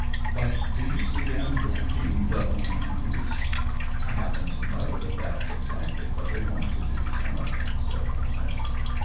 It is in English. But do you see them writing * le roman russe ?*"" I happen to know that that's exactly what they want to do, some of them," said Bonus.